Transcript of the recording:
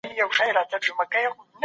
يو ماشوم څلوېښت کتابونه لري.